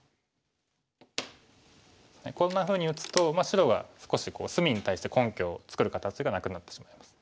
こんなふうに打つと白は少し隅に対して根拠を作る形がなくなってしまいます。